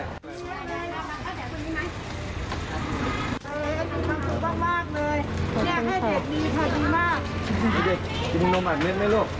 นี่ไหมนี่ไหมนี่ไหมนี่ไหม